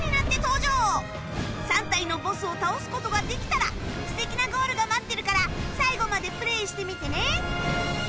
３体のボスを倒す事ができたら素敵なゴールが待ってるから最後までプレイしてみてね